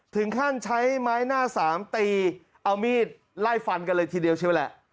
ถึงขั้นใช้ไม้หน้าสามตีเอามีดไล่ฟันกันเลยทีเดียวเชียวแหละ